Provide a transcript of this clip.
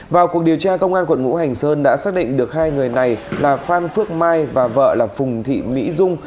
vào cuộc điều tra công an quận ngũ hành sơn đã xác định được hai người này là phan phước mai và vợ là phùng thị mỹ dung